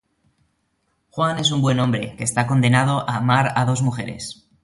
Juan es un buen hombre que está condenado a amar a dos mujeres.